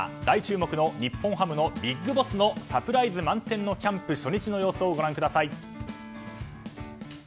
大注目の日本ハムのビッグボスのサプライズ満点のキャンプ初日の様子をご覧ください。